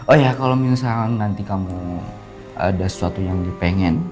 oh ya kalau misalkan nanti kamu ada sesuatu yang dipengen